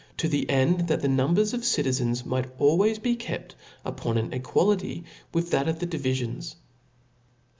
to the, end that the number of citizens might 3??eg,^*''' always be kept upon an equality with that of the divifions.